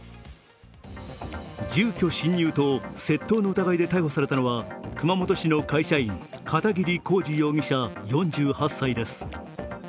住居侵入と窃盗の疑いで逮捕されたのは熊本市の会社員、片桐幸治容疑者４８歳です。